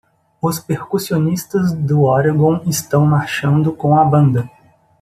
Os percussionistas do Oregon estão marchando com a banda.